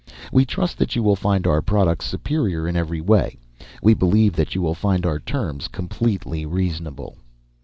We trust that you will find our products superior in every way. We believe that you will find our terms completely reasonable."